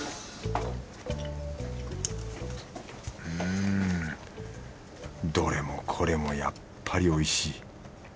うん。どれもこれもやっぱりおいしい。